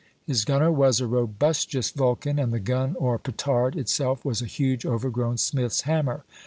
His gunner was a robustious Vulcan, and the gun or petard itself was a huge overgrown smith's hammer.